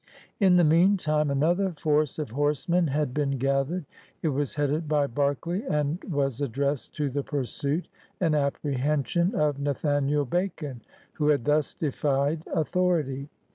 In the meantime another force of horsemen had been gathered. It was headed by Berkeley and was addressed to the pursuit and apprehension of Nathaniel Bacon, who had thus defied authority.